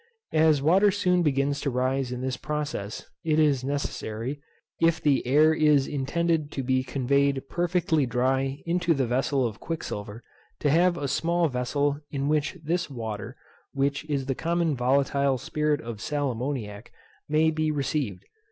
As water soon begins to rise in this process, it is necessary, if the air is intended to be conveyed perfectly dry into the vessel of quicksilver, to have a small vessel in which this water (which is the common volatile spirit of sal ammoniac) may be received.